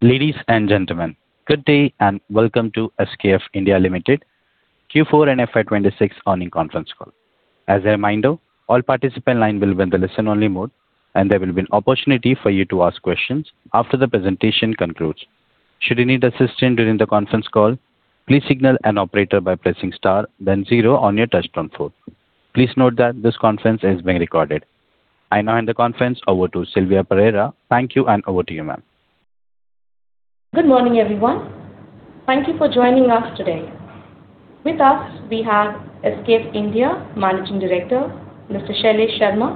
Ladies and gentlemen, good day and welcome to SKF India Limited Q4 and FY 2026 earnings conference call. As a reminder, all participant lines will be in the listen only mode, and there will be an opportunity for you to ask questions after the presentation concludes. Should you need assistance during the conference call, please signal an operator by pressing star then zero on your touch-tone phone. Please note that this conference is being recorded. I now hand the conference over to Cilvina Pereira. Thank you, and over to you, ma'am. Good morning, everyone. Thank you for joining us today. With us, we have SKF India Managing Director, Mr. Shailesh Sharma,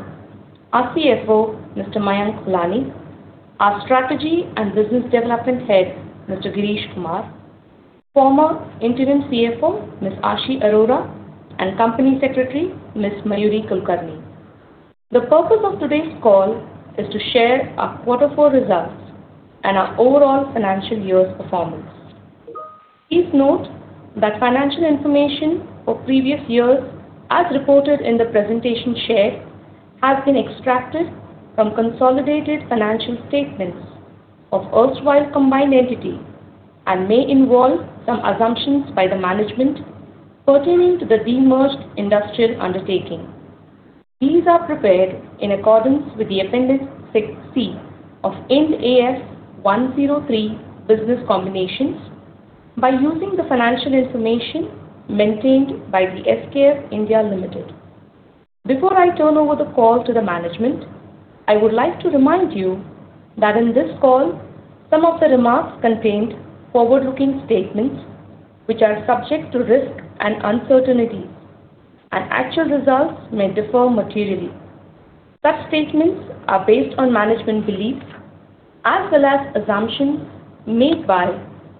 our CFO, Mr. Mayank Holani, our Strategy and Business Development Head, Mr. Prahlada GirishKumar, former Interim CFO, Ms. Aashi Arora, and Company Secretary, Ms. Mayuri Kulkarni. The purpose of today's call is to share our Quarter Four results and our overall financial year's performance. Please note that financial information for previous years, as reported in the presentation shared, has been extracted from consolidated financial statements of erstwhile combined entity and may involve some assumptions by the management pertaining to the de-merged industrial undertaking. These are prepared in accordance with the Appendix C of Ind AS 103 business combinations by using the financial information maintained by the SKF India Limited. Before I turn over the call to the management, I would like to remind you that in this call, some of the remarks contained forward-looking statements which are subject to risk and uncertainty, and actual results may differ materially. Such statements are based on management beliefs as well as assumptions made by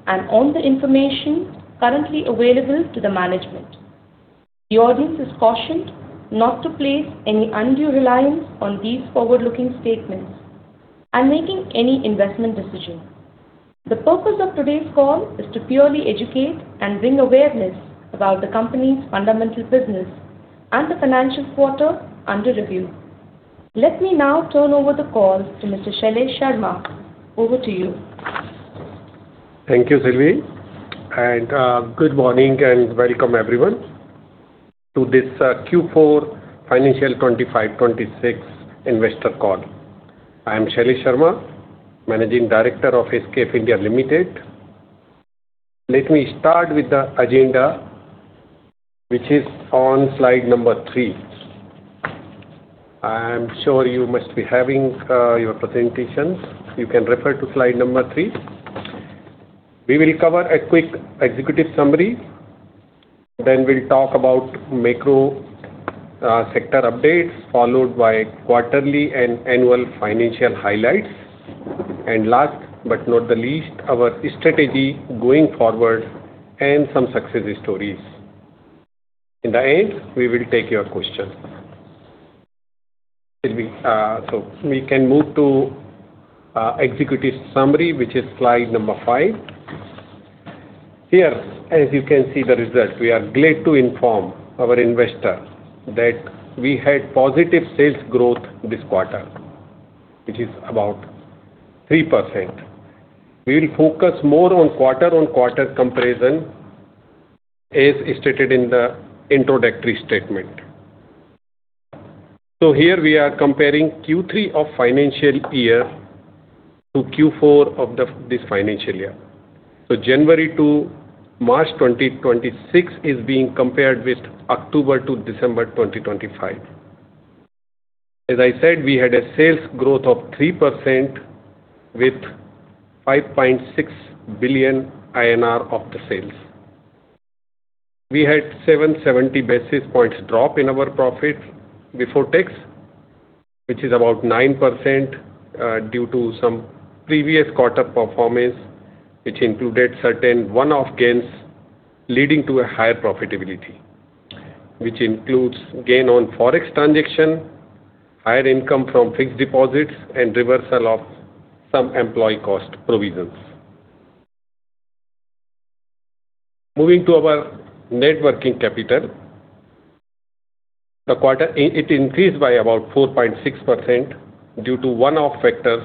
and on the information currently available to the management. The audience is cautioned not to place any undue reliance on these forward-looking statements and making any investment decision. The purpose of today's call is to purely educate and bring awareness about the company's fundamental business and the financial quarter under review. Let me now turn over the call to Mr. Shailesh Sharma. Over to you. Thank you, Sylvie. Good morning and welcome, everyone, to this Q4 financial 2025-2026 investor call. I am Shailesh Sharma, Managing Director of SKF India Limited. Let me start with the agenda, which is on slide number three. I am sure you must be having your presentations. You can refer to slide number three. We will cover a quick executive summary, then we will talk about macro sector updates, followed by quarterly and annual financial highlights. Last but not the least, our strategy going forward and some success stories. In the end, we will take your questions. We can move to executive summary, which is slide number five. Here, as you can see the results, we are glad to inform our investor that we had positive sales growth this quarter, which is about 3%. We will focus more on quarter-on-quarter comparison as stated in the introductory statement. Here we are comparing Q3 of financial year to Q4 of this financial year. January to March 2026 is being compared with October to December 2025. As I said, we had a sales growth of 3% with 5.6 billion INR of the sales. We had 770 basis points drop in our profit before tax, which is about 9% due to some previous quarter performance, which included certain one-off gains leading to a higher profitability, which includes gain on Forex transaction, higher income from fixed deposits, and reversal of some employee cost provisions. Moving to our net working capital. The quarter, it increased by about 4.6% due to one-off factors,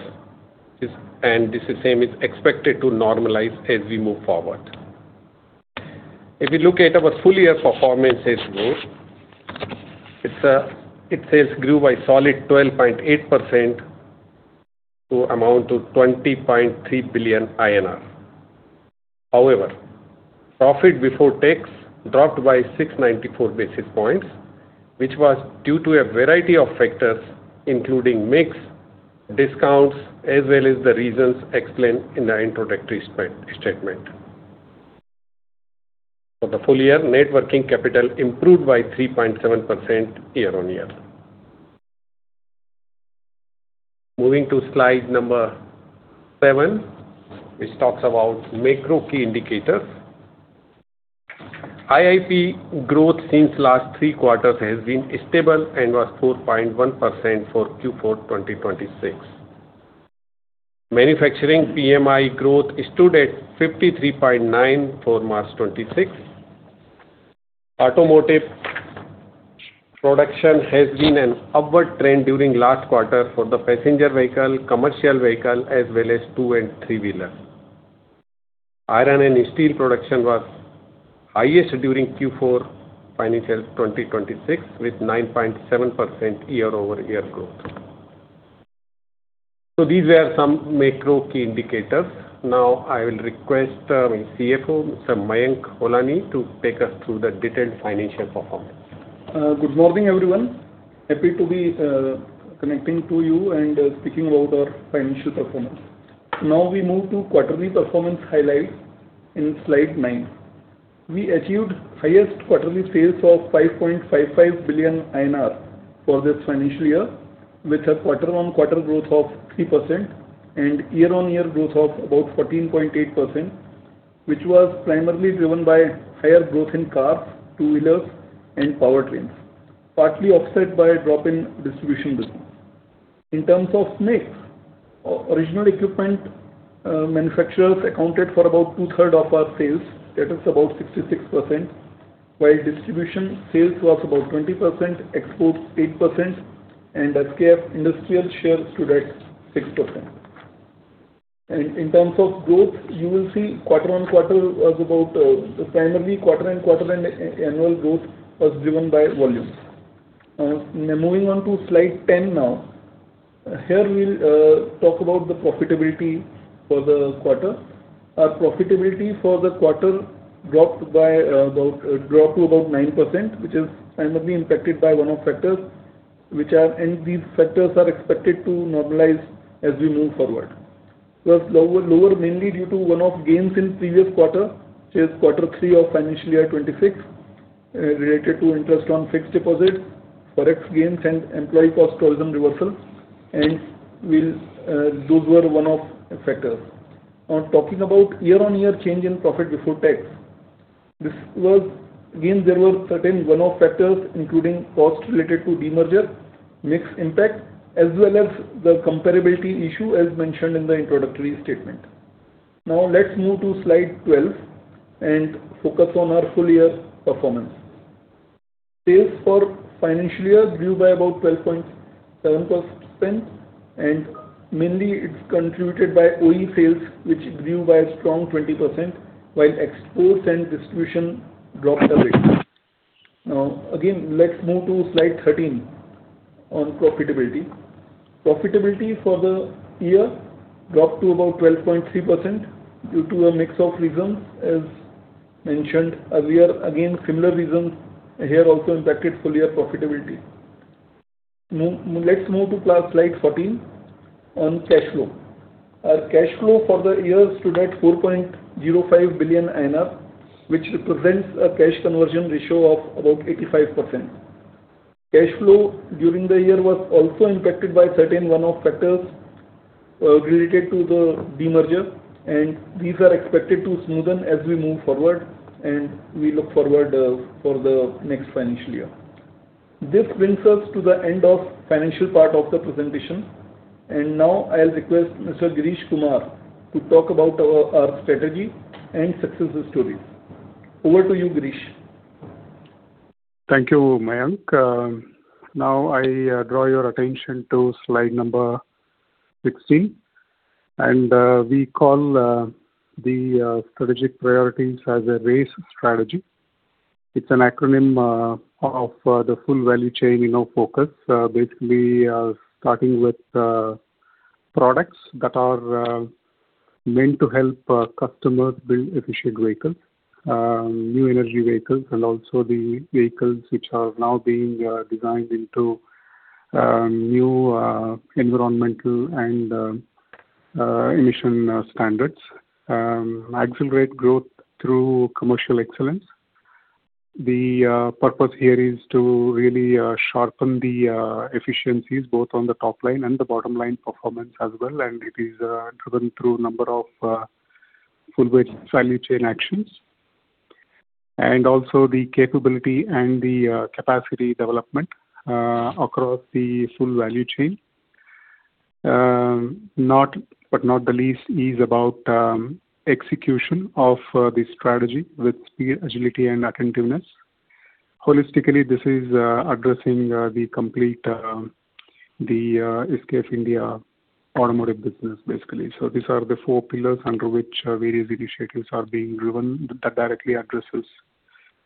and the same is expected to normalize as we move forward. If you look at our full-year performance sales growth, its sales grew by solid 12.8% to amount to 20.3 billion INR. However, profit before tax dropped by 694 basis points, which was due to a variety of factors including mix, discounts, as well as the reasons explained in the introductory statement. For the full year, net working capital improved by 3.7% year-on-year. Moving to slide number seven, which talks about macro key indicators. IIP growth since last three quarters has been stable and was 4.1% for Q4 2026. Manufacturing PMI growth stood at 53.9 for March 2026. Automotive production has been an upward trend during last quarter for the passenger vehicle, Commercial Vehicle, as well as two and three-wheeler. Iron and steel production was highest during Q4 financial 2026, with 9.7% year-over-year growth. These were some macro key indicators. I will request our CFO, Mr. Mayank Holani, to take us through the detailed financial performance. Good morning, everyone. Happy to be connecting to you and speaking about our financial performance. Now we move to quarterly performance highlights in slide nine. We achieved highest quarterly sales of 5.55 billion INR for this financial year, with a quarter-on-quarter growth of 3% and year-on-year growth of about 14.8%, which was primarily driven by higher growth in cars, two-wheelers, and powertrains, partly offset by a drop in distribution business. In terms of mix, original equipment manufacturers accounted for about two-third of our sales. That is about 66%, while distribution sales was about 20%, export 8%, and SKF Industrial share stood at 6%. In terms of growth, you will see primarily quarter-on-quarter and annual growth was driven by volume. Moving on to slide 10 now. Here we'll talk about the profitability for the quarter. Our profitability for the quarter dropped to about 9%, which is primarily impacted by one-off factors. These factors are expected to normalize as we move forward. It was lower mainly due to one-off gains in previous quarter, that is quarter three of financial year 2026, related to interest on fixed deposits, Forex gains, and employee cost provision reversals. Those were one-off factors. Talking about year-on-year change in profit before tax. There were certain one-off factors, including cost related to demerger, mix impact, as well as the comparability issue, as mentioned in the introductory statement. Let's move to slide 12 and focus on our full-year performance. Sales for financial year grew by about 12.7%. Mainly it's contributed by OE sales, which grew by a strong 20%, while exports and distribution dropped a bit. Let's move to slide 13 on profitability. Profitability for the year dropped to about 12.3% due to a mix of reasons, as mentioned earlier. Again, similar reasons here also impacted full-year profitability. Let's move to slide 14 on cash flow. Our cash flow for the year stood at 4.05 billion INR, which represents a cash conversion ratio of about 85%. Cash flow during the year was also impacted by certain one-off factors related to the demerger, and these are expected to smoothen as we move forward, and we look forward for the next financial year. This brings us to the end of financial part of the presentation, and now I'll request Mr. Prahlada GirishKumar to talk about our strategy and success story. Over to you, Girish. Thank you, Mayank. Now I draw your attention to slide number 16. We call the strategic priorities as a RACE strategy. It's an acronym of the full value chain in our focus. Starting with products that are meant to help our customers build efficient vehicles. New energy vehicles, also the vehicles which are now being designed into new environmental and emission standards. Accelerate growth through commercial excellence. The purpose here is to really sharpen the efficiencies, both on the top line and the bottom line performance as well, and it is driven through number of full value chain actions. Also, the capability and the capacity development across the full value chain. Not the least is about execution of the strategy with speed, agility, and attentiveness. Holistically, this is addressing the complete SKF India automotive business, basically. These are the four pillars under which various initiatives are being driven that directly addresses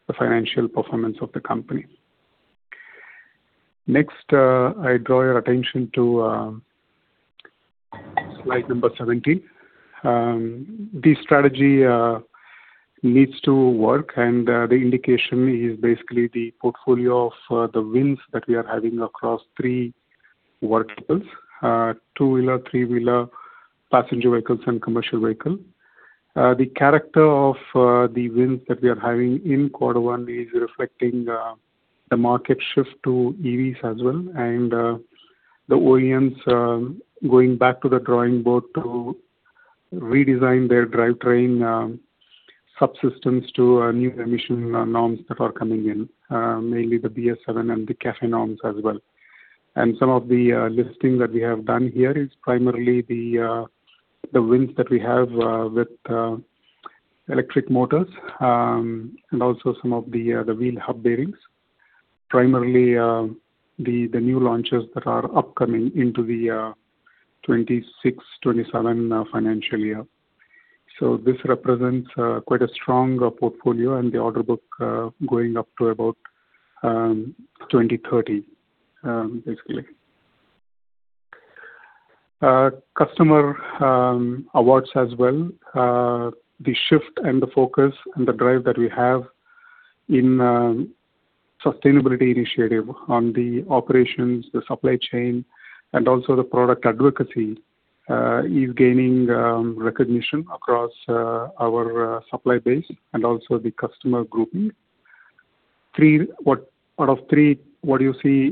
the financial performance of the company. Next, I draw your attention to slide number 17. This strategy needs to work, and the indication is basically the portfolio of the wins that we are having across three verticals: two-wheeler, three-wheeler, passenger vehicles, and commercial vehicle. The character of the wins that we are having in quarter one is reflecting the market shift to EVs as well, and the OEMs going back to the drawing board to redesign their drivetrain subsystems to new emission norms that are coming in, mainly the BS-VII and the CAFE norms as well. Some of the listings that we have done here is primarily the wins that we have with electric motors, and also some of the wheel hub bearings. Primarily, the new launches that are upcoming into the 2026, 2027 financial year. This represents quite a strong portfolio in the order book, going up to about 2030, basically. Customer awards as well. The shift and the focus and the drive that we have in sustainability initiative on the operations, the supply chain, and also the product advocacy, is gaining recognition across our supply base and also the customer grouping. Out of three, what you see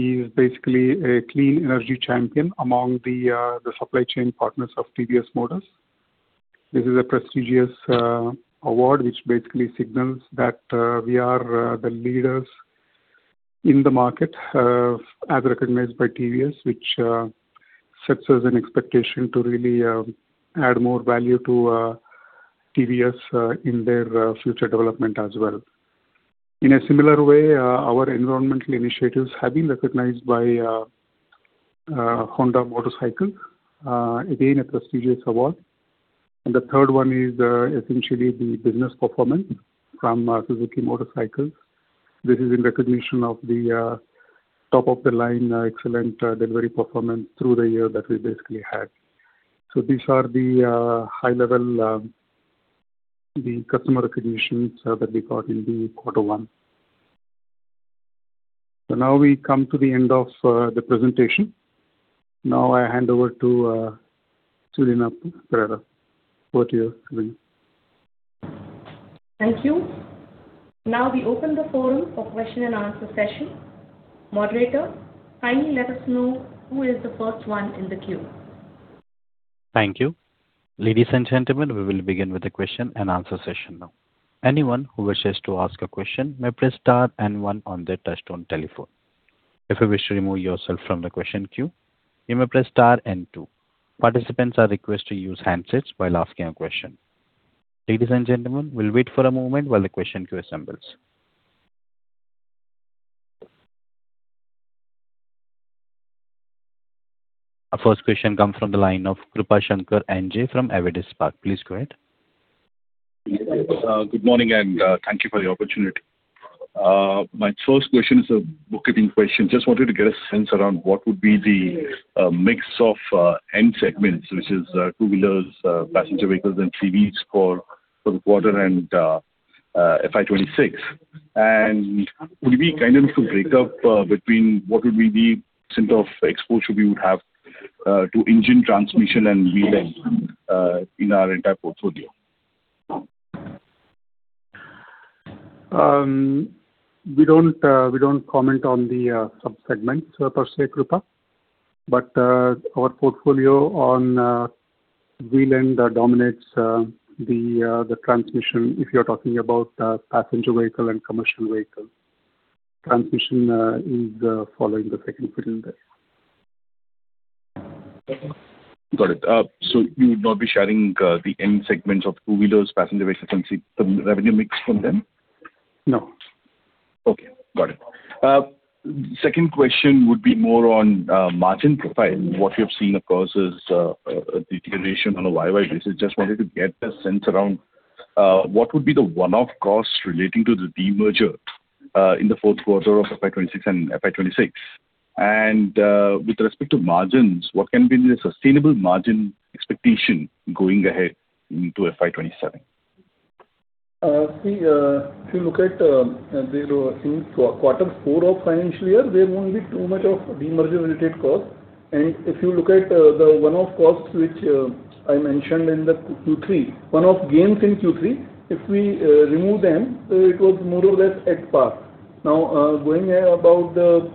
is basically a clean energy champion among the supply chain partners of TVS Motor. This is a prestigious award which basically signals that we are the leaders in the market as recognized by TVS, which sets us an expectation to really add more value to TVS in their future development as well. In a similar way, our environmental initiatives have been recognized by Honda Motorcycle. Again, a prestigious award. The third one is essentially the business performance from Suzuki Motorcycles. This is in recognition of the top-of-the-line excellent delivery performance through the year that we basically had. These are the high-level customer recognitions that we got in the quarter one. Now we come to the end of the presentation. Now I hand over to Cilvina Pereira. Over to you, Cilvina. Thank you. Now we open the forum for question and answer session. Moderator, kindly let us know who is the first one in the queue. Thank you. Ladies and gentlemen, we will begin with the question and answer session now. Anyone who wishes to ask a question may press star and one on their touchtone telephone. If you wish to remove yourself from the question queue, you may press star and two. Participants are requested to use handsets while asking a question. Ladies and gentlemen, we'll wait for a moment while the question queue assembles. Our first question comes from the line of Krupashankar N J from Avendus Spark. Please go ahead. Good morning. Thank you for the opportunity. My first question is a book-keeping question. Just wanted to get a sense around what would be the mix of end segments, which is two-wheelers, passenger vehicles, and CVs for the quarter and FY 2026. Would you be kind enough to break up between what would be the % of exposure we would have to engine transmission and wheel end in our entire portfolio? We don't comment on the sub-segments per se, Krupa. Our portfolio on wheel end dominates the transmission, if you're talking about passenger vehicle and commercial vehicle. Transmission is following the second position there. You would not be sharing the end segments of two-wheelers, passenger vehicles and CVs, the revenue mix from them? No. Okay, got it. Second question would be more on margin profile. What we have seen, of course, is a deterioration on a YY basis. Just wanted to get a sense around what would be the one-off cost relating to the demerger in the fourth quarter of FY 2026. With respect to margins, what can be the sustainable margin expectation going ahead into FY 2027? If you look at the quarter four of financial year, there won't be too much of demerger-related cost. If you look at the one-off costs, which I mentioned in the Q3, one-off gains in Q3, if we remove them, it was more or less at par. Now, going about the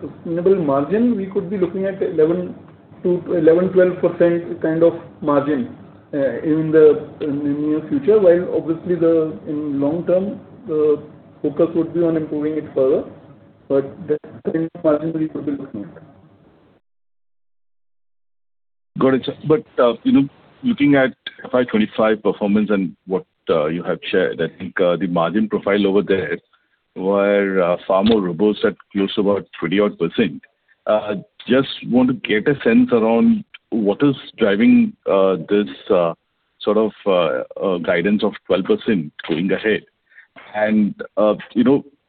sustainable margin, we could be looking at 11%-12% kind of margin in the near future. While obviously, in long term, the focus would be on improving it further. That kind of margin we could be looking at. Got it, sir. Looking at FY 2025 performance and what you have shared, I think the margin profile over there were far more robust at close to about 20 odd %. Just want to get a sense around what is driving this sort of guidance of 12% going ahead.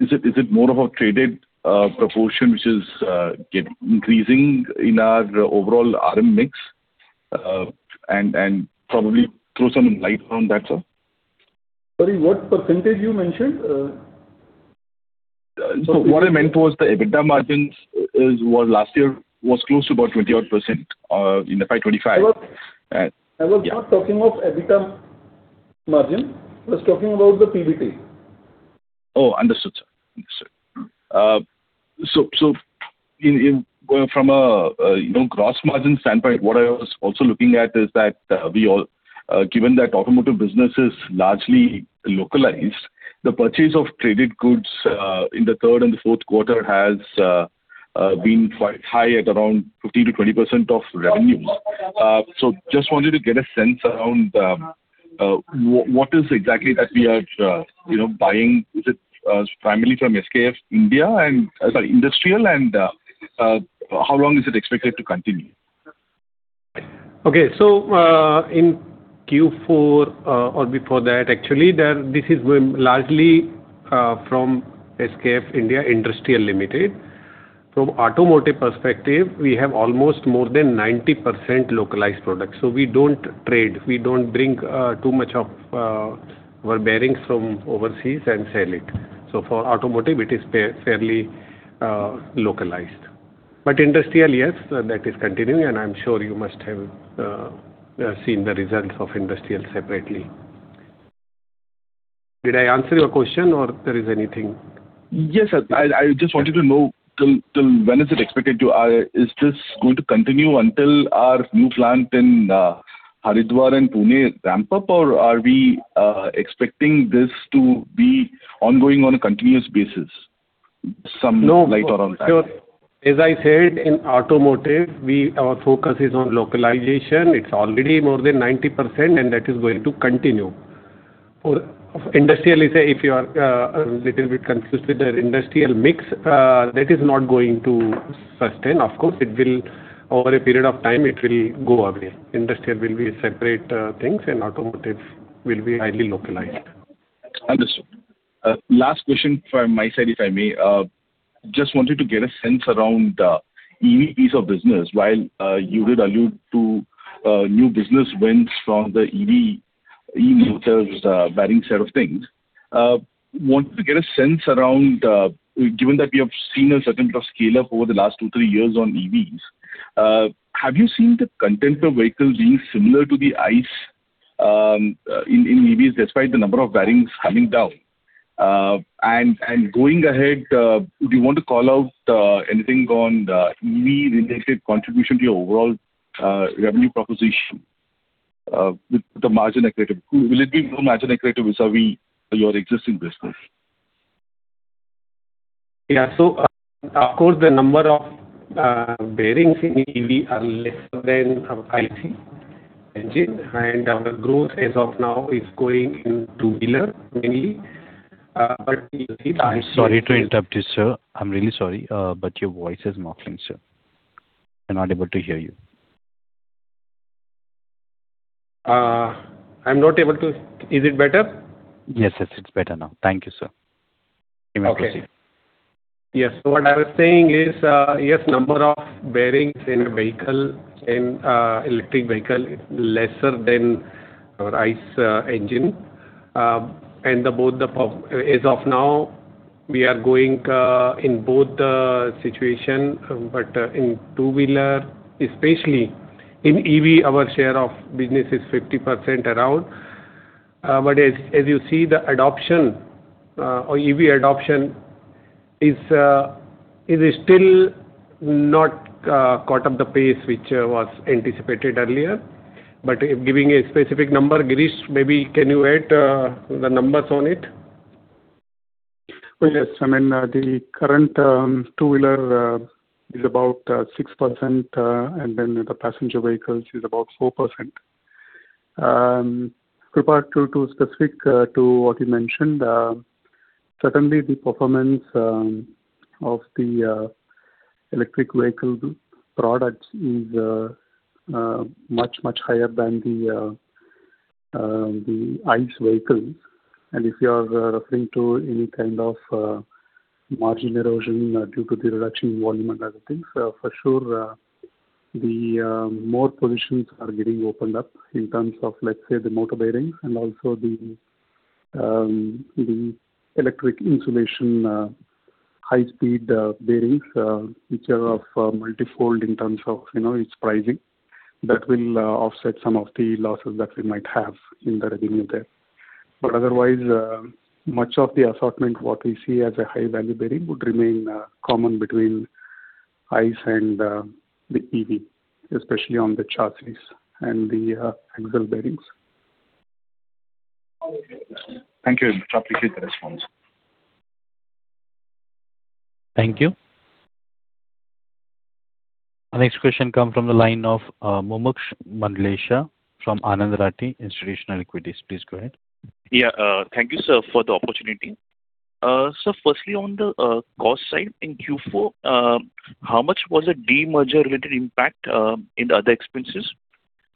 Is it more of a traded proportion which is increasing in our overall RM mix? Probably throw some light around that, sir. Sorry, what percentage you mentioned? What I meant was the EBITDA margins, last year was close to about 20 odd % in FY 2025. I was not talking of EBITDA margin. I was talking about the PBT. Oh, understood, sir. From a gross margin standpoint, what I was also looking at is that given that automotive business is largely localized, the purchase of traded goods in the third and the fourth quarter has been quite high at around 15%-20% of revenues. Just wanted to get a sense around what is exactly that we are buying. Is it primarily from SKF Industrial, and how long is it expected to continue? Okay. In Q4 or before that, actually, this is going largely from SKF India Industrial Limited. From automotive perspective, we have almost more than 90% localized products. We don't trade, we don't bring too much of our bearings from overseas and sell it. For automotive, it is fairly localized. Industrial, yes, that is continuing, and I'm sure you must have seen the results of industrial separately. Did I answer your question or there is anything? Yes, sir. I just wanted to know till when. Is this going to continue until our new plant in Haridwar and Pune ramp up, or are we expecting this to be ongoing on a continuous basis? Some light around that. No. As I said, in automotive, our focus is on localization. It's already more than 90%, and that is going to continue. For industrial, if you are a little bit confused with the industrial mix, that is not going to sustain. Of course, over a period of time, it will go away. Industrial will be separate things and automotive will be highly localized. Understood. Last question from my side, if I may. Just wanted to get a sense around the EV piece of business. While you did allude to new business wins from the EV motors bearing set of things, wanted to get a sense around, given that we have seen a certain bit of scale up over the last two, three years on EVs, have you seen the content of vehicles being similar to the ICE in EVs despite the number of bearings coming down? Going ahead, do you want to call out anything on the EV related contribution to your overall revenue proposition with the margin accretive? Will it be more margin accretive vis-à-vis your existing business? Yeah. Of course, the number of bearings in EV are lesser than our ICE engine, and our growth as of now is going in two-wheeler mainly. Sorry to interrupt you, sir. I'm really sorry, but your voice is breaking, sir. We're not able to hear you. I'm not able to. Is it better? Yes, it's better now. Thank you, sir. You may proceed. Okay. Yes. What I was saying is, yes, number of bearings in an electric vehicle is lesser than our ICE engine. As of now we are going in both the situation, but in two-wheeler, especially in EV, our share of business is 50% around. As you see, the EV adoption is still not caught up the pace which was anticipated earlier. Giving a specific number, Girish, maybe can you add the numbers on it? Yes. The current two-wheeler is about 6%, then the passenger vehicles is about 4%. Krupa, to specific to what you mentioned, certainly the performance of the electric vehicle products is much, much higher than the ICE vehicles. If you are referring to any kind of margin erosion due to the reduction in volume and other things, for sure, more positions are getting opened up in terms of, let's say, the motor bearings and also the electric insulation high speed bearings which are multifold in terms of its pricing. That will offset some of the losses that we might have in the revenue there. Otherwise, much of the assortment, what we see as a high-value bearing would remain common between ICE and the EV, especially on the chassis and the axle bearings. Thank you very much. Appreciate the response. Thank you. Our next question come from the line of Mumuksh Mandlesha from Anand Rathi Institutional Equities. Please go ahead. Yeah. Thank you, sir, for the opportunity. Sir, firstly on the cost side in Q4, how much was the demerger related impact in the other expenses?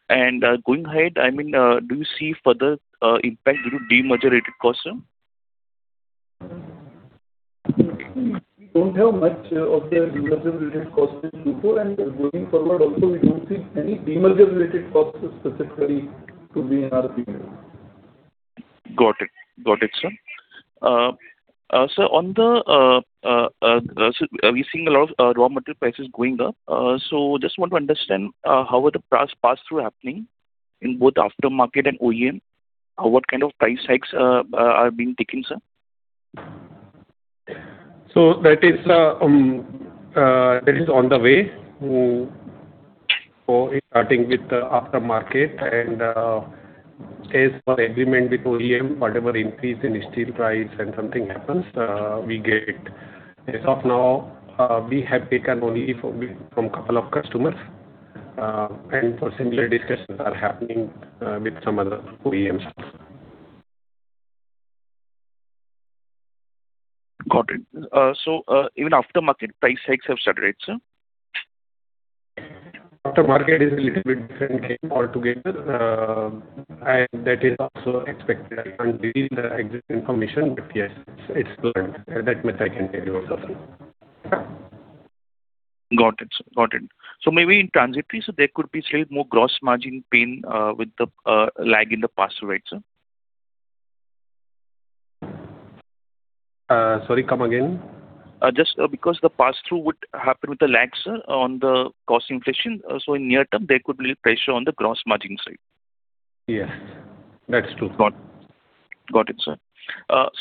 Going ahead, do you see further impact due to demerger related costs, sir? We don't have much of the demerger related costs in Q4, and going forward also we don't see any demerger related costs specifically to be in our P&L. Got it, sir. Sir, we're seeing a lot of raw material prices going up. Just want to understand how are the pass-through happening in both aftermarket and OEM? What kind of price hikes are being taken, sir? That is on the way. Starting with the aftermarket and as per agreement with OEM, whatever increase in steel price and something happens, we get it. As of now, we have taken only from two customers, and for similar discussions are happening with some other OEMs. Got it. Even aftermarket price hikes have started, sir? Aftermarket is a little bit different game altogether, and that is also expected. I can't reveal the exact information, but yes, it's going. That much I can tell you also. Got it, sir. Maybe in transitory, sir, there could be slight more gross margin pain with the lag in the pass-through, right, sir? Sorry, come again. Just because the pass-through would happen with the lag, sir, on the cost inflation. In near term, there could be pressure on the gross margin side. Yes. That's true. Got it, sir.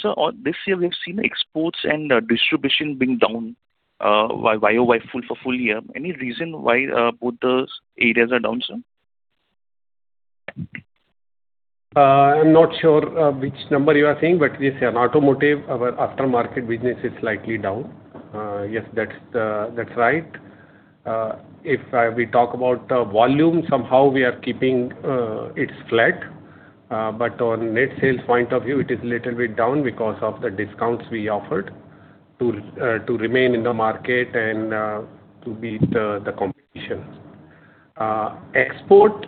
Sir, this year we've seen exports and distribution being down YOY for full year. Any reason why both those areas are down, sir? I'm not sure which number you are saying, but yes, on automotive, our aftermarket business is slightly down. Yes, that's right. If we talk about volume, somehow we are keeping it flat. On net sales point of view, it is little bit down because of the discounts we offered to remain in the market and to beat the competition. Export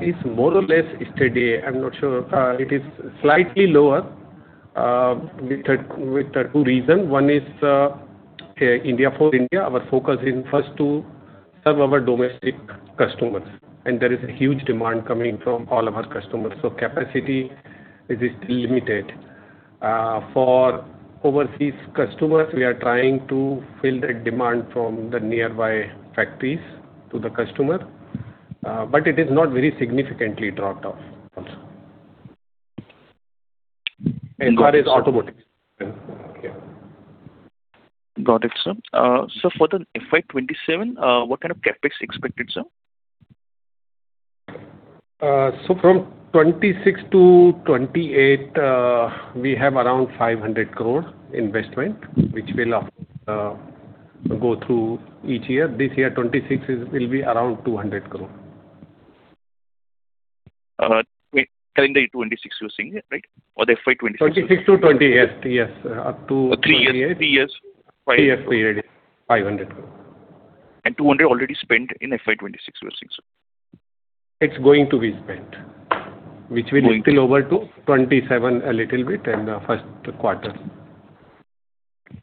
is more or less steady. I'm not sure. It is slightly lower with two reasons. One is India for India. Our focus in first to serve our domestic customers, and there is a huge demand coming from all of our customers, so capacity is still limited. For overseas customers, we are trying to fill that demand from the nearby factories to the customer, but it is not very significantly dropped off also. Got it. Car is automotive. Got it, sir. Sir, for the FY 2027, what kind of CapEx expected, sir? From 2026 to 2028, we have around 500 crores investment, which will go through each year. This year, 2026 will be around 200 crores. Current the 2026 you're saying, right? The FY 2026? 2026 to 2028, yes. Three years. 3 years, 500 crores. 200 already spent in FY 2026 you're saying, sir? It's going to be spent, which will spill over to 2027 a little bit in the first quarter. Got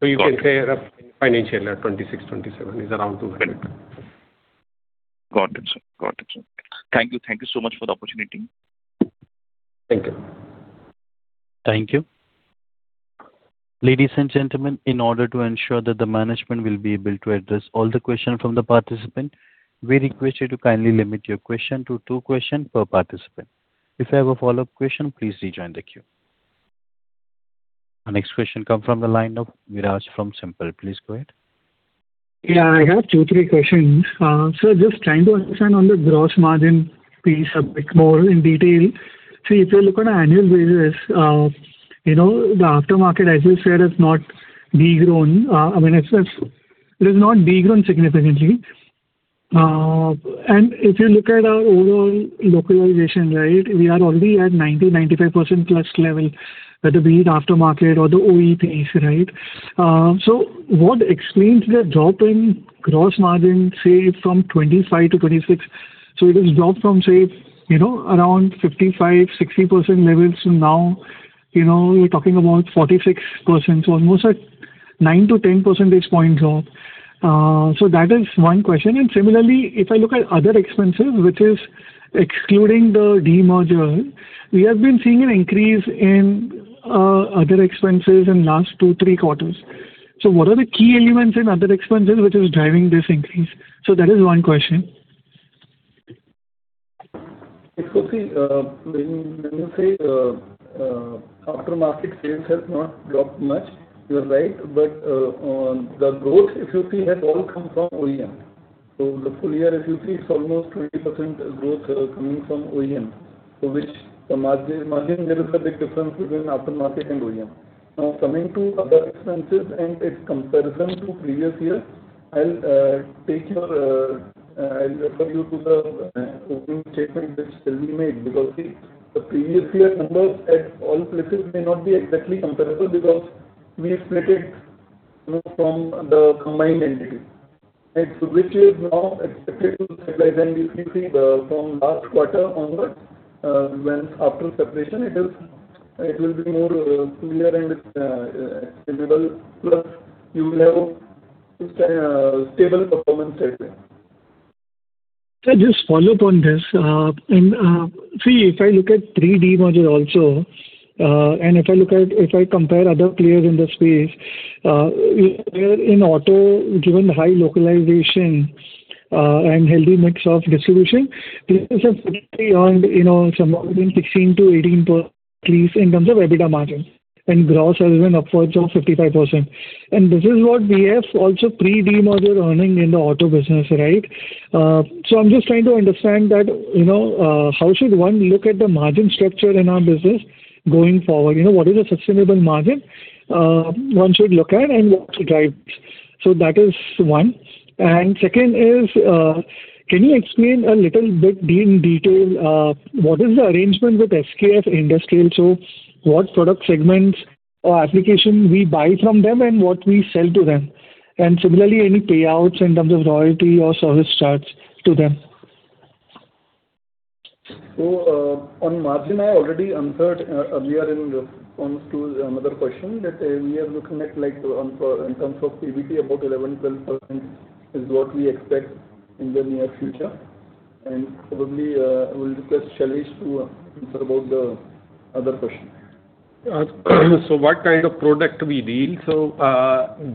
it. You can say our financial year 2026, 2027 is around 200 crores. Got it, sir. Thank you. Thank you so much for the opportunity. Thank you. Thank you. Ladies and gentlemen, in order to ensure that the management will be able to address all the questions from the participant, we request you to kindly limit your question to two questions per participant. If you have a follow-up question, please rejoin the queue. Our next question comes from the line of Viraj from SiMPL. Please go ahead. Yeah, I have two, three questions. Sir, just trying to understand on the gross margin piece a bit more in detail. If you look on an annual basis, the aftermarket, as you said, has not de-grown. I mean, it has not de-grown significantly. If you look at our overall localization, right, we are already at 90, 95% plus level, whether be it aftermarket or the OE piece, right? What explains the drop in gross margin, say from 2025 to 2026? It has dropped from, say, around 55, 60% levels, now we're talking about 46%, so almost a 9-10 percentage points drop. Similarly, if I look at other expenses, which is excluding the demerger, we have been seeing an increase in other expenses in last two, three quarters. What are the key elements in other expenses which is driving this increase? That is one question. See, when you say aftermarket sales has not dropped much, you're right. On the growth, if you see, has all come from OEM. The full year, if you see, it's almost 20% growth coming from OEM. Which the margin, there is a big difference between aftermarket and OEM. Coming to other expenses and its comparison to previous year, I'll refer you to the opening statement which Selvi made. See, the previous year numbers at all places may not be exactly comparable because we have split it from the combined entity. Which is now expected to stabilize. If you see from last quarter onwards, when after separation, it will be more clear and visible. Plus, you will have a stable performance that way. Sir, just follow up on this. If I look at pre-demerger also, and if I compare other players in the space, where in auto, given the high localization and healthy mix of distribution. This is at somewhere between 16%-18% in terms of EBITDA margin and gross has been upwards of 55%. This is what we have also pre-demerger earning in the Automotive Business. I'm just trying to understand that how should one look at the margin structure in our business going forward? What is a sustainable margin one should look at and what should drive? Second is, can you explain a little bit in detail what is the arrangement with SKF Industrial? What product segments or application we buy from them and what we sell to them, and similarly, any payouts in terms of royalty or service charges to them. On margin, I already answered, we are in almost to another question that we are looking at in terms of PBT about 11%-12% is what we expect in the near future. Probably, I will request Shailesh to answer about the other question. What kind of product we deal.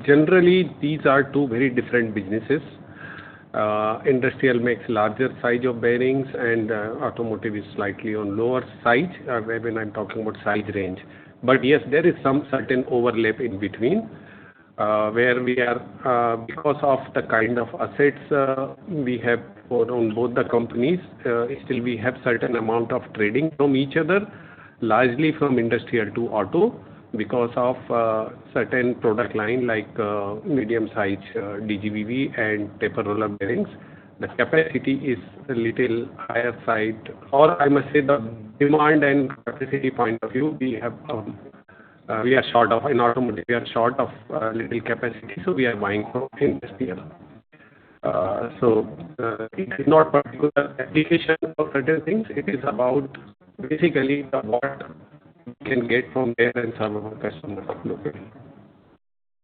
Generally, these are two very different businesses. Industrial makes larger size of bearings and Automotive is slightly on lower size, where when I am talking about size range. Yes, there is some certain overlap in between where because of the kind of assets we have for on both the companies still we have certain amount of trading from each other, largely from Industrial to Auto because of certain product line like medium size DGBB and taper roller bearings. The capacity is a little higher side or I must say the demand and capacity point of view, we are short of in Automotive. We are short of little capacity, so we are buying from Industrial. It is not particular application of certain things. It is about basically what we can get from there and some of our customers located.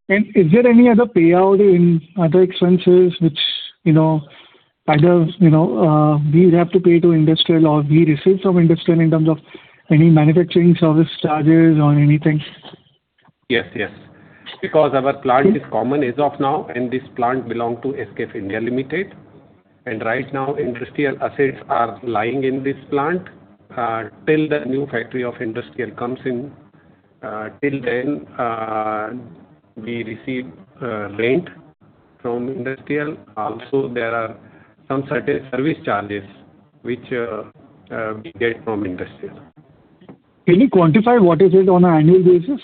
Is there any other payout in other expenses which either we have to pay to SKF Industrial or we receive from SKF Industrial in terms of any manufacturing service charges or anything? Yes. Our plant is common as of now, and this plant belongs to SKF India Limited. Right now, Industrial assets are lying in this plant till the new factory of Industrial comes in. Till then, we receive rent from Industrial. There are some certain service charges which we get from Industrial. Can you quantify what is it on an annual basis?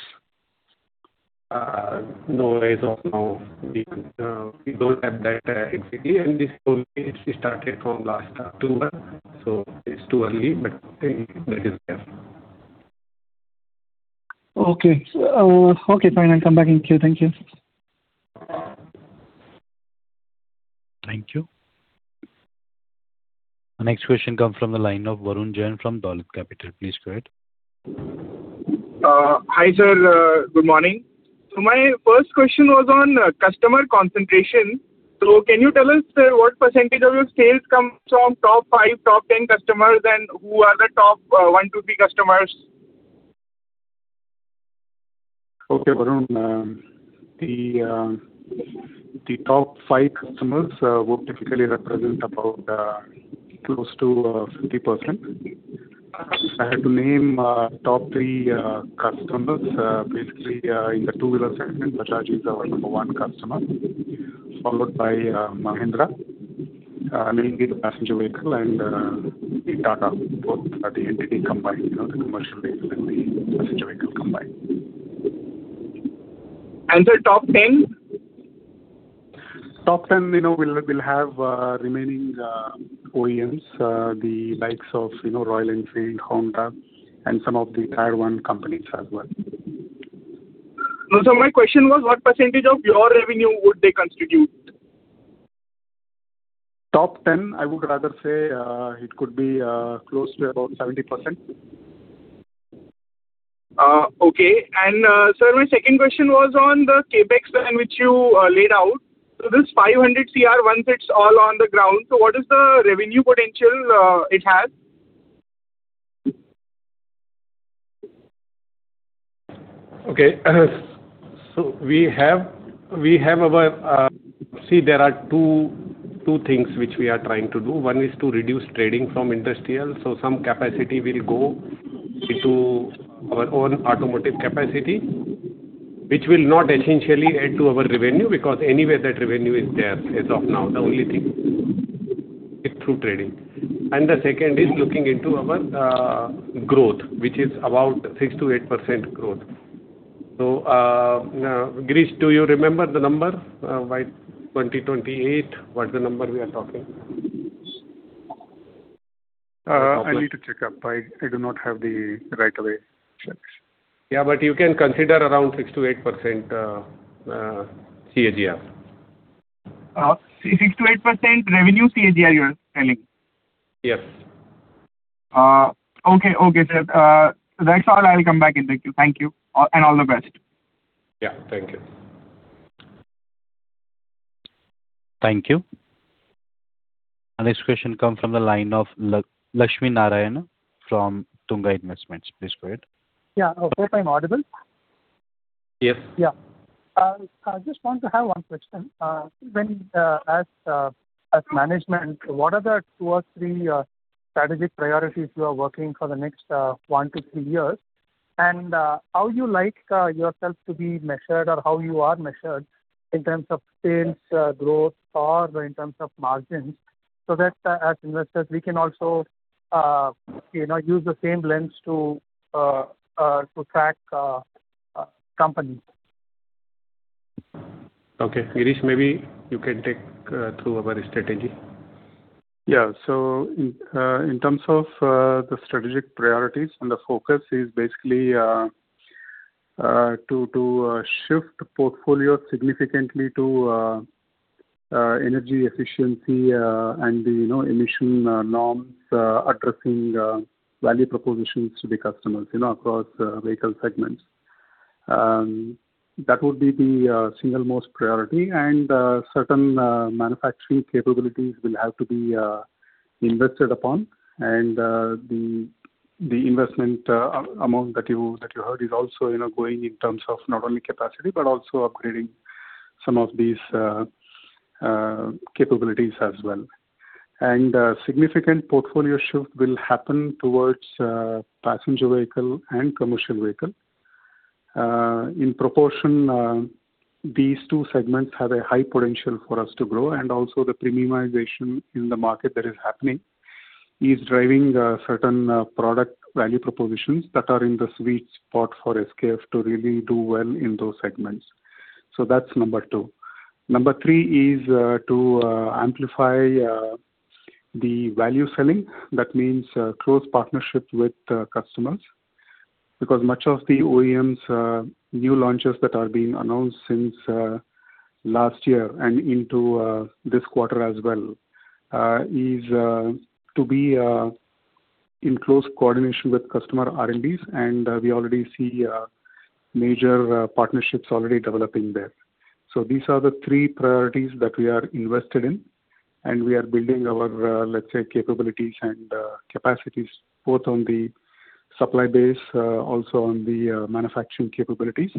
No, as of now, we don't have that exactly. This only it started from last October, so it's too early, but that is there. Okay, fine. I'll come back in queue. Thank you. Thank you. Next question come from the line of Varun Jain from Dolat Capital. Please go ahead. Hi, sir. Good morning. My first question was on customer concentration. Can you tell us what percentage of your sales comes from top five, top 10 customers and who are the top one to three customers? Okay, Varun. The top five customers would typically represent about close to 50%. If I have to name top three customers basically in the two-wheeler segment, Bajaj is our number one customer, followed by Mahindra, mainly the passenger vehicle and Tata, both the entity combined, the commercial vehicle and the passenger vehicle combined. The top 10? Top 10 will have remaining OEMs the likes of Royal Enfield, Honda, and some of the Tier one companies as well. No, sir, my question was what percentage of your revenue would they constitute? Top 10, I would rather say it could be close to about 70%. Okay. Sir, my second question was on the CapEx plan which you laid out. This 500 crore, once it's all on the ground, what is the revenue potential it has? Okay. See, there are two things which we are trying to do. One is to reduce trading from Industrial. Some capacity will go into our own Automotive capacity, which will not essentially add to our revenue because anyway that revenue is there as of now. The only thing is through trading. The second is looking into our growth, which is about 6%-8% growth. Girish, do you remember the number by 2028? What's the number we are talking? I need to check up. I do not have the right away checks. Yeah, you can consider around 6%-8% CAGR. 6%-8% revenue CAGR you are telling? Yes. Okay, sir. That's all. I will come back in. Thank you. All the best. Yeah. Thank you. Thank you. Our next question come from the line of Laxmi Narayan from Tunga Investments. Please go ahead. Yeah. Hope I'm audible. Yes. Yeah. I just want to have 1 question. As management, what are the two or three strategic priorities you are working for the next one-three years? How you like yourself to be measured, or how you are measured in terms of sales growth or in terms of margins, so that as investors, we can also use the same lens to track company? Okay. Girish, maybe you can take through our strategy. In terms of the strategic priorities, the focus is basically to shift portfolio significantly to energy efficiency and the emission norms, addressing value propositions to the customers across vehicle segments. That would be the single most priority. Certain manufacturing capabilities will have to be invested upon. The investment amount that you heard is also growing in terms of not only capacity, but also upgrading some of these capabilities as well. Significant portfolio shift will happen towards passenger vehicle and commercial vehicle. In proportion, these two segments have a high potential for us to grow, and also the premiumization in the market that is happening is driving certain product value propositions that are in the sweet spot for SKF to really do well in those segments. That's number two. Number three is to amplify the value selling. That means close partnership with customers. Much of the OEMs new launches that are being announced since last year, and into this quarter as well, is to be in close coordination with customer R&Ds, and we already see major partnerships already developing there. These are the three priorities that we are invested in, and we are building our, let's say, capabilities and capacities both on the supply base, also on the manufacturing capabilities.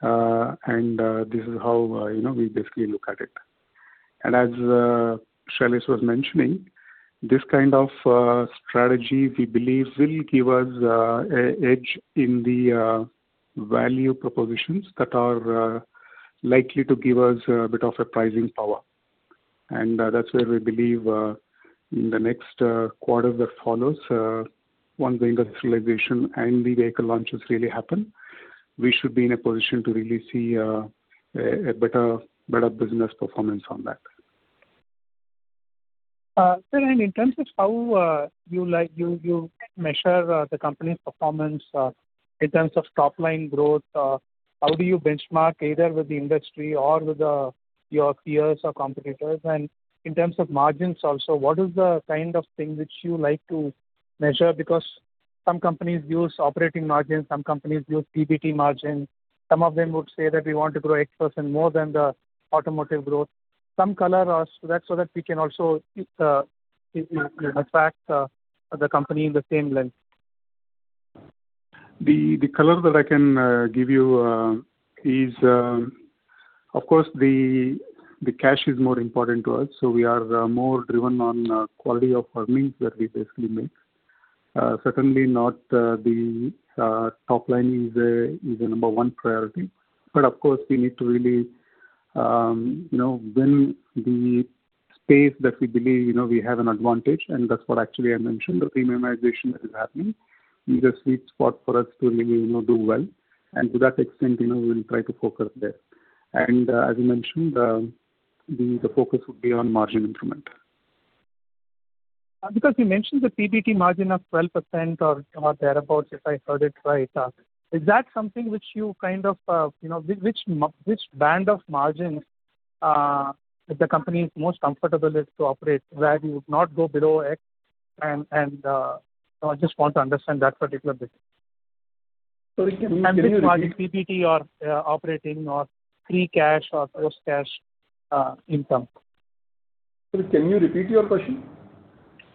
This is how we basically look at it. As Shailesh was mentioning, this kind of strategy, we believe, will give us an edge in the value propositions that are likely to give us a bit of a pricing power. That's where we believe in the next quarter that follows, once the industrialization and the vehicle launches really happen, we should be in a position to really see a better business performance on that. Sir, in terms of how you measure the company's performance in terms of top-line growth, how do you benchmark either with the industry or with your peers or competitors? In terms of margins also, what is the kind of thing which you like to measure? Because some companies use operating margins, some companies use PBT margin, some of them would say that we want to grow X% more than the automotive growth. Some color on that, so that we can also track the company in the same length. The color that I can give you is, of course, the cash is more important to us, so we are more driven on quality of earnings that we basically make. Certainly not the top line is a number one priority. Of course, we need to really win the space that we believe we have an advantage, and that's what actually I mentioned, the premiumization that is happening in the sweet spot for us to really do well. To that extent, we'll try to focus there. As you mentioned, the focus would be on margin improvement. You mentioned the PBT margin of 12% or thereabouts, if I heard it right. Is that something which you Which band of margin the company is most comfortable with to operate, where you would not go below X? I just want to understand that particular bit. Sorry. PBT or operating or free cash or gross cash income. Sorry, can you repeat your question?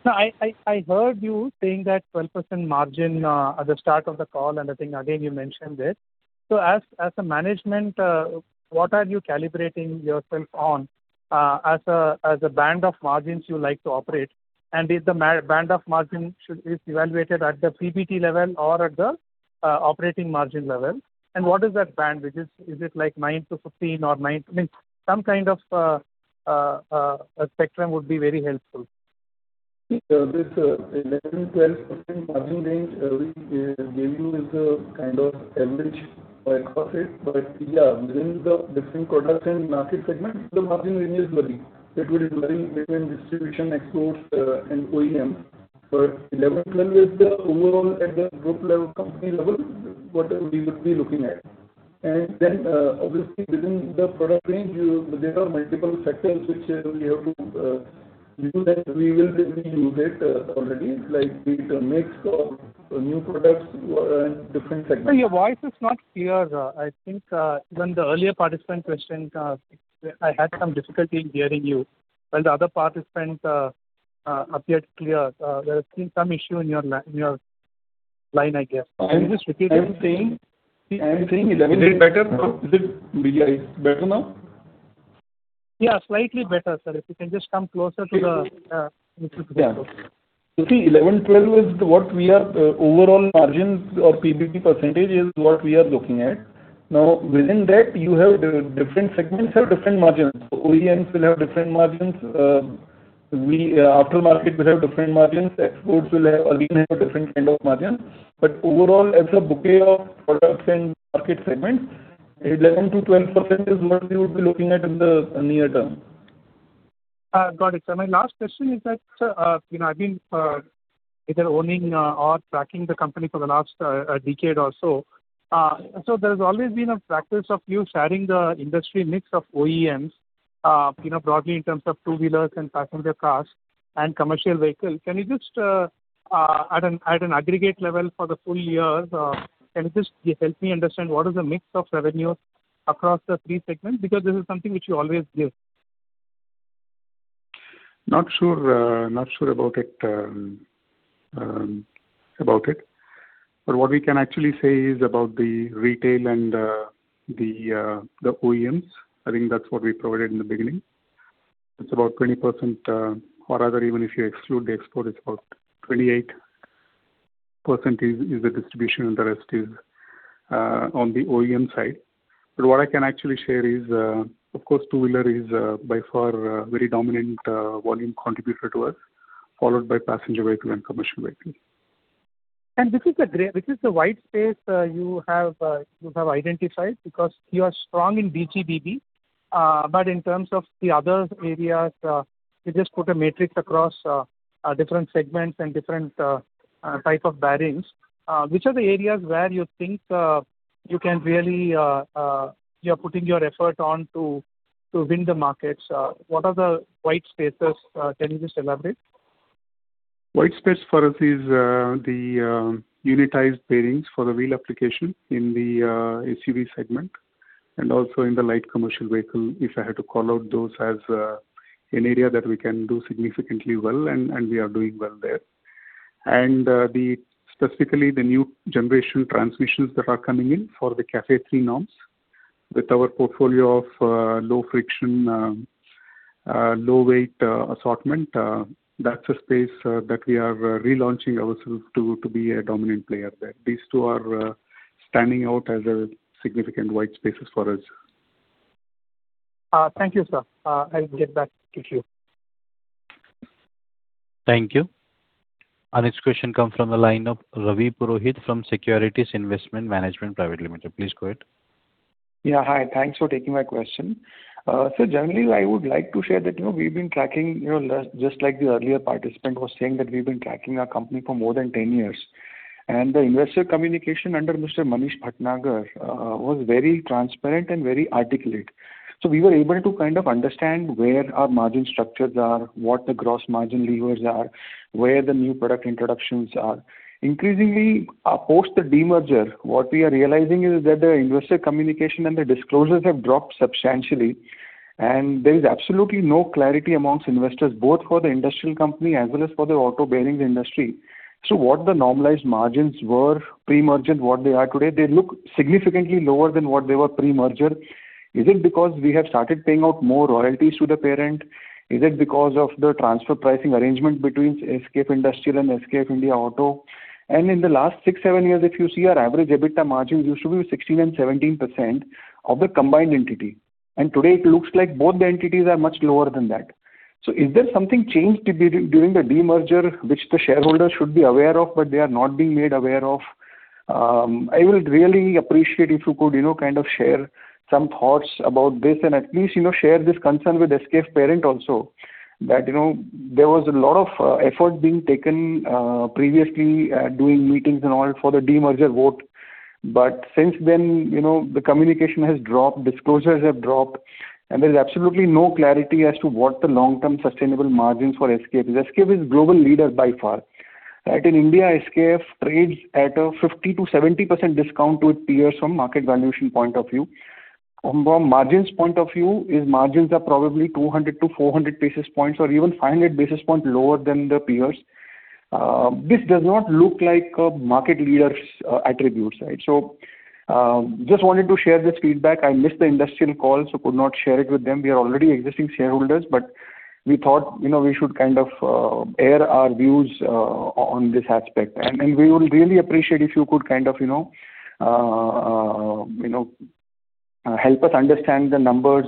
No, I heard you saying that 12% margin at the start of the call, and I think again you mentioned it. As a management, what are you calibrating yourself on as a band of margins you like to operate? Is the band of margin is evaluated at the PBT level or at the operating margin level? What is that band? Is it like 9-15 or I mean, some kind of a spectrum would be very helpful. This 11%-12% margin range we gave you is a kind of average across it. Yeah, within the different products and market segments, the margin range is varying. It will be varying between distribution, exports and OEM. 11%-12% is the overall at the group level, company level, what we would be looking at. Obviously within the product range, there are multiple factors which we have to review that we will be using already, like the mix of new products and different segments. Sir, your voice is not clear. I think even the earlier participant question, I had some difficulty in hearing you. Yes, slightly better, sir. If you can just come closer to the microphone. Yeah. You see, 11%-12% overall margin or PBT % is what we are looking at. Within that, different segments have different margins. OEMs will have different margins. Aftermarket will have different margins. Exports will again have a different kind of margin. Overall, as a bouquet of products and market segments, 11%-12% is what we would be looking at in the near term. Got it, sir. My last question is that, sir, I've been either owning or tracking the company for the last decade or so. There's always been a practice of you sharing the industry mix of OEMs broadly in terms of two-wheelers and passenger cars and commercial vehicles. Can you just, at an aggregate level for the full year, can you just help me understand what is the mix of revenue across the three segments? This is something which you always give. Not sure about it. What we can actually say is about the retail and the OEMs. I think that's what we provided in the beginning. It's about 20%, or rather, even if you exclude the export, it's about 28% is the distribution, and the rest is on the OEM side. What I can actually share is, of course, two-wheeler is by far a very dominant volume contributor to us, followed by passenger vehicle and commercial vehicle. This is the white space you have identified because you are strong in B2B2B. In terms of the other areas, you just put a matrix across different segments and different type of bearings. Which are the areas where you think you are putting your effort on to win the markets? What are the white spaces? Can you just elaborate? White space for us is the unitized bearings for the wheel application in the SUV segment and also in the light commercial vehicle, if I had to call out those as an area that we can do significantly well, and we are doing well there. Specifically, the new generation transmissions that are coming in for the CAFE-III norms with our portfolio of low friction, low weight assortment, that's a space that we are relaunching ourselves to be a dominant player there. These two are standing out as significant white spaces for us. Thank you, sir. I'll get back to you. Thank you. Our next question comes from the line of Ravi Purohit from Securities Investment Management Private Limited. Please go ahead. Yeah, hi. Thanks for taking my question. Sir, generally, I would like to share that we've been tracking, just like the earlier participant was saying, that we've been tracking our company for more than 10 years. The investor communication under Mr. Manish Bhatnagar was very transparent and very articulate. We were able to kind of understand where our margin structures are, what the gross margin levers are, where the new product introductions are. Increasingly, post the demerger, what we are realizing is that the investor communication and the disclosures have dropped substantially, and there is absolutely no clarity amongst investors, both for the industrial company as well as for the auto bearings industry. What the normalized margins were pre-merger and what they are today, they look significantly lower than what they were pre-merger. Is it because we have started paying out more royalties to the parent? Is it because of the transfer pricing arrangement between SKF Industrial and SKF India Auto? In the last six, seven years, if you see our average EBITDA margins used to be 16% and 17% of the combined entity. Today it looks like both the entities are much lower than that. Is there something changed during the demerger, which the shareholders should be aware of, but they are not being made aware of? I will really appreciate if you could kind of share some thoughts about this and at least share this concern with SKF parent also. There was a lot of effort being taken previously, doing meetings and all for the demerger vote. Since then, the communication has dropped, disclosures have dropped, and there's absolutely no clarity as to what the long-term sustainable margins for SKF is. SKF is global leader by far. Right. In India, SKF trades at a 50%-70% discount to its peers from market valuation point of view. From margins point of view, its margins are probably 200-400 basis points or even 500 basis points lower than the peers. This does not look like a market leader's attributes. Just wanted to share this feedback. I missed the industrial call, could not share it with them. We are already existing shareholders, we thought we should kind of air our views on this aspect. We would really appreciate if you could kind of help us understand the numbers,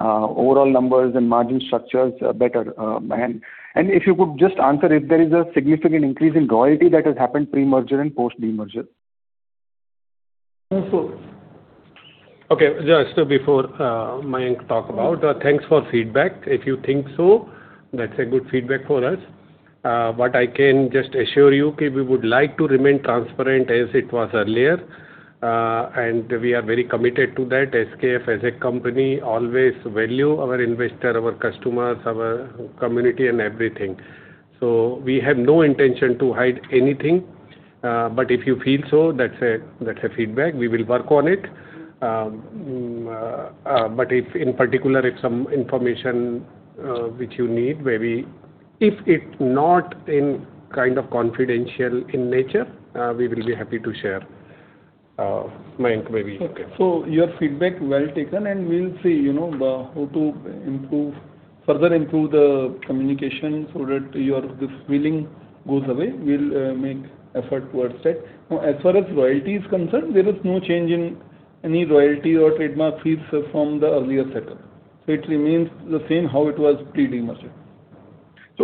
overall numbers, and margin structures better. If you could just answer if there is a significant increase in royalty that has happened pre-merger and post-demerger. Okay. Just before Mayank talk about, thanks for feedback. If you think so, that's a good feedback for us. I can just assure you we would like to remain transparent as it was earlier, and we are very committed to that. SKF as a company always value our investor, our customers, our community and everything. We have no intention to hide anything. If you feel so, that's a feedback, we will work on it. If in particular some information which you need, maybe if it's not confidential in nature, we will be happy to share, maybe. Your feedback, well taken, and we'll see how to further improve the communication so that this feeling goes away. We'll make effort towards that. As far as royalty is concerned, there is no change in any royalty or trademark fees from the earlier setup. It remains the same how it was pre-demerger.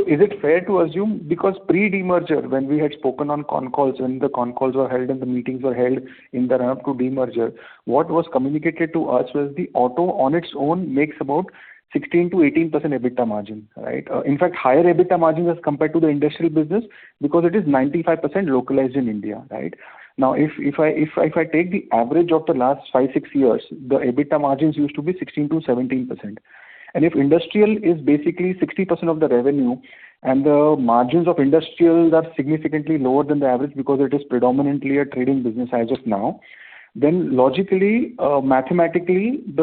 Is it fair to assume, because pre-demerger, when we had spoken on con calls, when the con calls were held and the meetings were held in the run-up to demerger, what was communicated to us was the auto on its own makes about 16%-18% EBITDA margin. In fact, higher EBITDA margin as compared to the industrial business because it is 95% localized in India. If I take the average of the last five, six years, the EBITDA margins used to be 16%-17%. If industrial is basically 60% of the revenue and the margins of industrial are significantly lower than the average because it is predominantly a trading business as of now, then logically, mathematically, the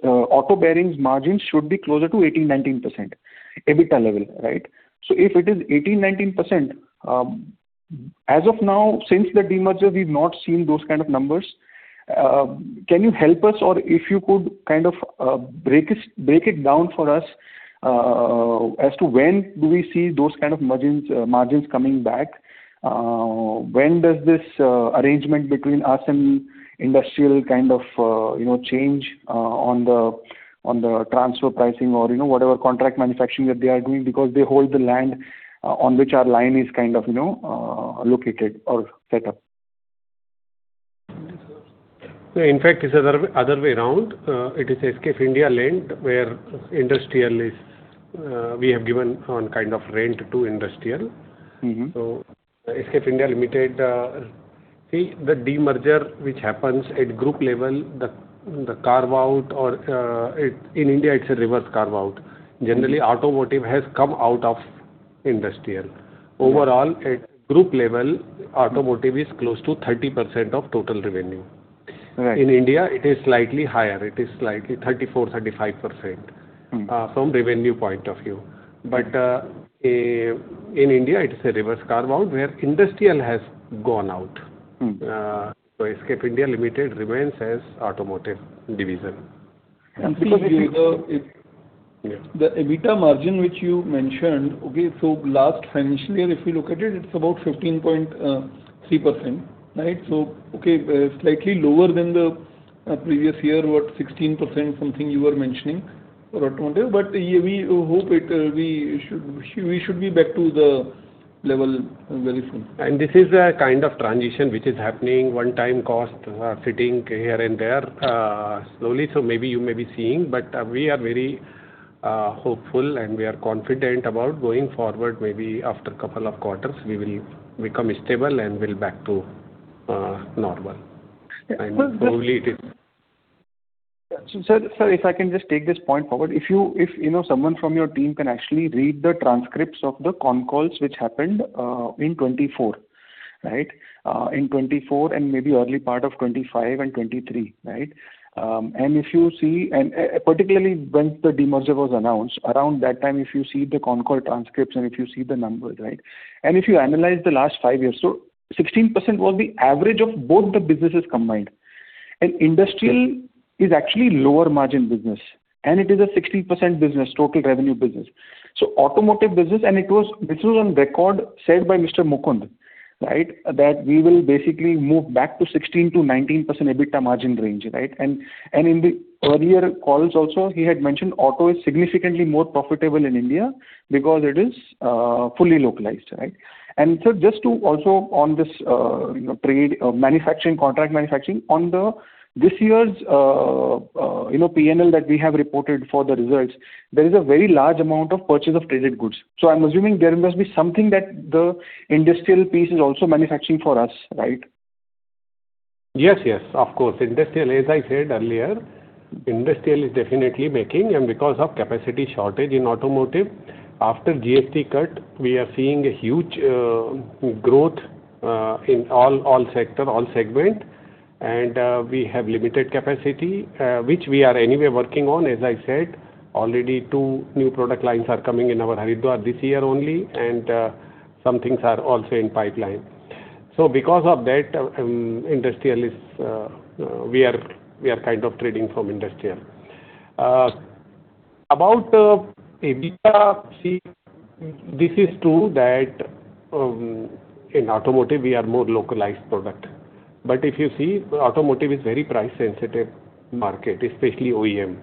auto bearings margins should be closer to 18%-19% EBITDA level, right? If it is 18, 19%, as of now, since the demerger, we've not seen those kind of numbers. Can you help us? If you could break it down for us as to when do we see those kind of margins coming back? When does this arrangement between us and Industrial change on the transfer pricing or whatever contract manufacturing that they are doing because they hold the land on which our line is located or set up? In fact, it's other way around. It is SKF India land where we have given on kind of rent to SKF Industrial. SKF India Limited, see the demerger which happens at group level, the carve-out or in India it's a reverse carve-out. Generally, automotive has come out of industrial. Overall, at group level, automotive is close to 30% of total revenue. Right. In India it is slightly higher. It is slightly 34, 35% from revenue point of view. In India it is a reverse carve-out where industrial has gone out. SKF India Limited remains as automotive division. See, the EBITDA margin which you mentioned, okay, so last financial year, if you look at it's about 15.3%. Okay, slightly lower than the previous year, what, 16% something you were mentioning for automotive, but we hope we should be back to the level very soon. This is a kind of transition which is happening, one-time cost sitting here and there slowly. Maybe you may be seeing, but we are very hopeful and we are confident about going forward, maybe after couple of quarters we will become stable and will back to normal. Sir, if I can just take this point forward, if someone from your team can actually read the transcripts of the con calls which happened in 2024 and maybe early part of 2025 and 2023. If you see, particularly when the demerger was announced, around that time if you see the con call transcripts and if you see the numbers. If you analyze the last five years, 16% was the average of both the businesses combined. Industrial is actually lower margin business, and it is a 60% business, total revenue business. Automotive business, this was on record said by Mr. Mukund that we will basically move back to 16%-19% EBITDA margin range. In the earlier calls also he had mentioned Auto is significantly more profitable in India because it is fully localized. Just to also on this trade contract manufacturing, on this year's P&L that we have reported for the results, there is a very large amount of purchase of traded goods. I'm assuming there must be something that the industrial piece is also manufacturing for us, right? Yes, of course. Industrial, as I said earlier, Industrial is definitely making and because of capacity shortage in Automotive, after GST cut, we are seeing a huge growth in all sector, all segment, and we have limited capacity, which we are anyway working on. As I said, already two new product lines are coming in our Haridwar this year only. Some things are also in pipeline. Because of that, we are kind of trading from Industrial. About EBITDA, see, this is true that in Automotive we are more localized product. If you see, Automotive is very price sensitive market, especially OEM.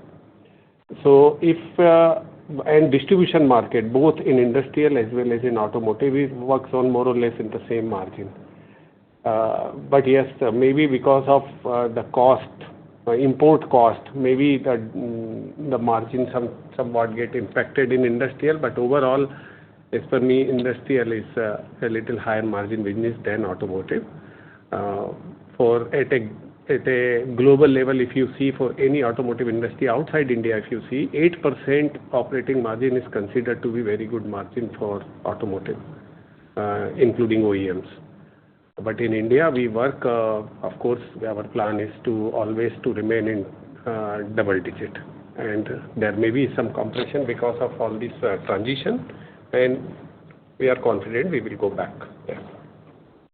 Distribution market, both in Industrial as well as in Automotive, it works on more or less in the same margin. Yes, maybe because of the import cost, maybe the margin somewhat get impacted in industrial, but overall, as per me, industrial is a little higher margin business than automotive. At a global level, if you see for any automotive industry outside India, if you see 8% operating margin is considered to be very good margin for automotive, including OEMs. In India, of course, our plan is to always to remain in double-digit. There may be some compression because of all this transition, and we are confident we will go back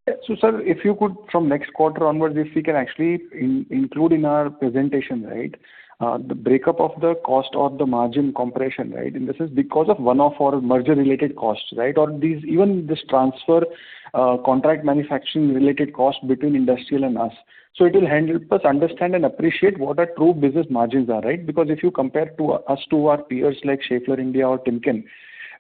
there. Sir, if you could from next quarter onwards, if we can actually include in our presentation, the breakup of the cost or the margin compression. This is because of one-off or merger related costs. Even this transfer contract manufacturing related cost between SKF Industrial and us. It will help us understand and appreciate what our true business margins are. If you compare us to our peers like Schaeffler India or Timken India,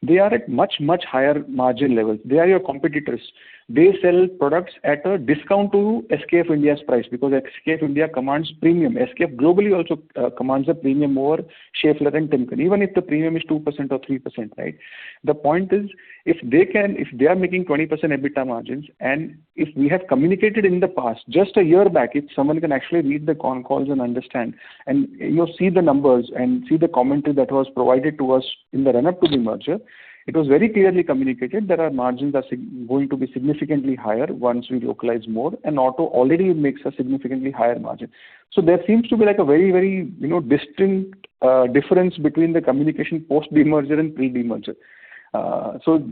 they are at much, much higher margin levels. They are your competitors. They sell products at a discount to SKF India's price because SKF India commands premium. SKF globally also commands a premium over Schaeffler and Timken. Even if the premium is 2% or 3%. The point is, if they are making 20% EBITDA margins, and if we have communicated in the past, just a year back, if someone can actually read the con calls and understand, and you see the numbers and see the commentary that was provided to us in the run-up to the merger, it was very clearly communicated that our margins are going to be significantly higher once we localize more. Auto already makes a significantly higher margin. There seems to be a very distinct difference between the communication post the merger and pre the merger.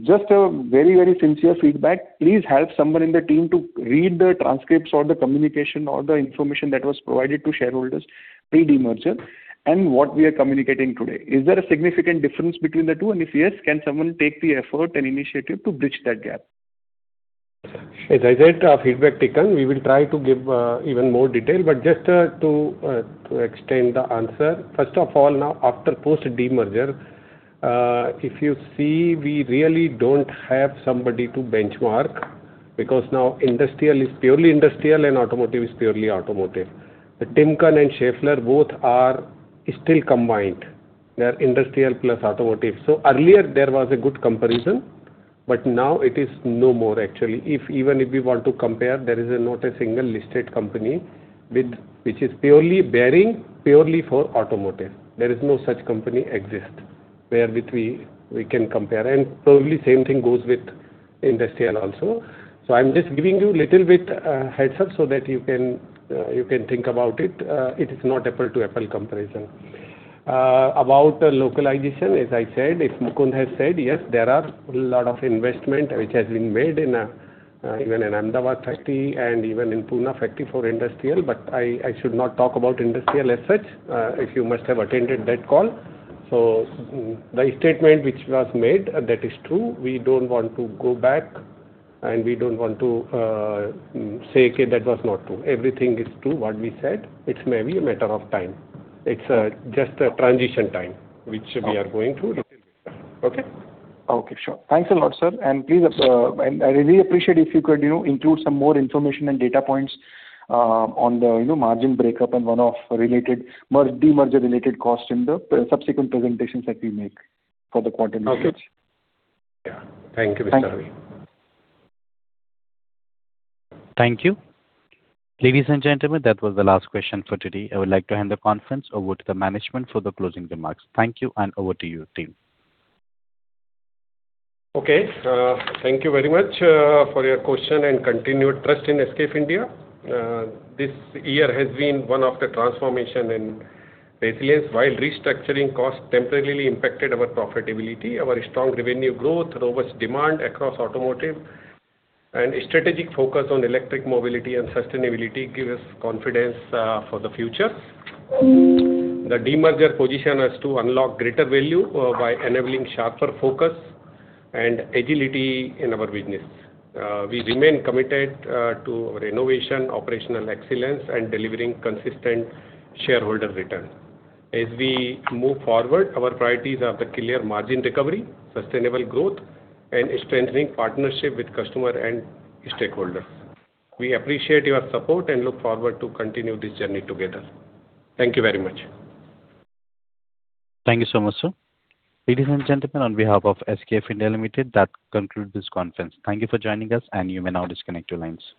Just a very sincere feedback. Please help someone in the team to read the transcripts or the communication or the information that was provided to shareholders pre demerger and what we are communicating today. Is there a significant difference between the two? If yes, can someone take the effort and initiative to bridge that gap? As I said, feedback taken. We will try to give even more detail, but just to extend the answer. First of all, now after post de-merger, if you see, we really don't have somebody to benchmark because now industrial is purely industrial and automotive is purely automotive. Timken and Schaeffler both are still combined. They're industrial plus automotive. Earlier there was a good comparison, but now it is no more actually. Even if we want to compare, there is not a single listed company which is purely bearing purely for automotive. There is no such company exist with which we can compare. Probably same thing goes with industrial also. I'm just giving you little bit a heads up so that you can think about it. It is not apple to apple comparison. About localization, as I said, if Mukund has said, yes, there are lot of investment which has been made in even in Ahmedabad factory and even in Pune factory for industrial, but I should not talk about industrial as such, if you must have attended that call. The statement which was made, that is true. We don't want to go back, and we don't want to say, "Okay, that was not true." Everything is true what we said. It's maybe a matter of time. It's just a transition time which we are going through. Okay? Okay. Sure. Thanks a lot, sir. I really appreciate if you could include some more information and data points on the margin breakup and one-off de-merger related cost in the subsequent presentations that we make for the quarter research. Okay. Yeah. Thank you, Vishal. Thanks. Thank you. Ladies and gentlemen, that was the last question for today. I would like to hand the conference over to the management for the closing remarks. Thank you, and over to you, team. Okay. Thank you very much for your question and continued trust in SKF India. This year has been one of the transformation and resilience. While restructuring costs temporarily impacted our profitability, our strong revenue growth, robust demand across automotive, and strategic focus on electric mobility and sustainability give us confidence for the future. The de-merger position is to unlock greater value by enabling sharper focus and agility in our business. We remain committed to innovation, operational excellence, and delivering consistent shareholder return. As we move forward, our priorities are the clear margin recovery, sustainable growth, and strengthening partnership with customer and stakeholders. We appreciate your support and look forward to continue this journey together. Thank you very much. Thank you so much, sir. Ladies and gentlemen, on behalf of SKF India Limited, that concludes this conference. Thank you for joining us, and you may now disconnect your lines.